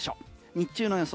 日中の予想